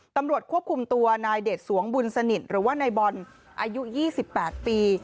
ตำรวจควบคุมตัวนายเดชสวงบุญสนิทหรือว่านายบอลอายุ๒๘ปี